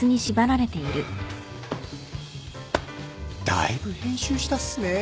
だいぶ編集したっすねぇ